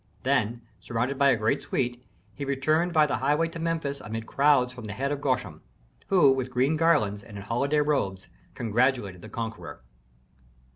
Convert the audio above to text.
Then, surrounded by a great suite, he returned by the highway to Memphis amid crowds from the land of Goshen, who with green garlands and in holiday robes congratulated the conqueror.